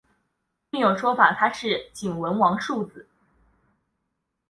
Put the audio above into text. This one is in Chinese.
另有说法他是景文王庶子。